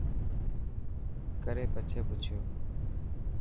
ڪري پڇي پڇيو .